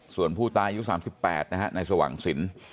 ส่วนผู้ตายยืน๓๘นะฮะในสวังศรี